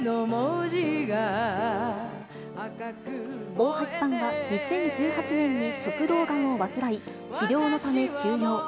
大橋さんは、２０１８年に食道がんを患い、治療のため休養。